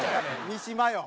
三島よ。